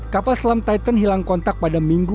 kapal selam titan hilang kontak pada minggu